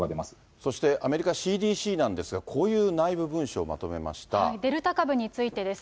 そして、アメリカＣＤＣなんですが、こういう内部文書をまとデルタ株についてです。